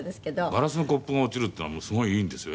ガラスのコップが落ちるっていうのはもうすごいいいんですよ。